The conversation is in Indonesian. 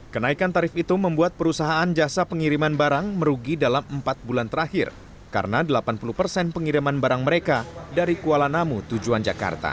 kenaikan tarif itu membuat perusahaan jasa pengiriman barang merugi dalam empat bulan terakhir karena delapan puluh persen pengiriman barang mereka dari kuala namu tujuan jakarta